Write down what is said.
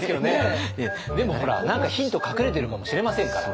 でもほら何かヒント隠れてるかもしれませんから。